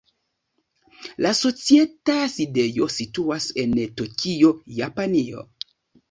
La societa sidejo situas en Tokio, Japanio.